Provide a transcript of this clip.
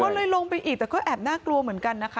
ก็เลยลงไปอีกแต่ก็แอบน่ากลัวเหมือนกันนะคะ